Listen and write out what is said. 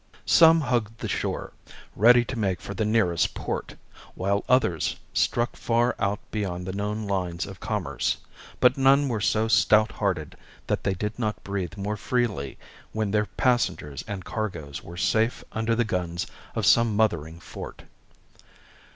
Some hugged the shore, ready to make for the nearest port, while others struck far out beyond the known lines of commerce, but none were so stout hearted that they did not breathe more freely when their passengers and cargoes were safe under the guns of some mothering fort.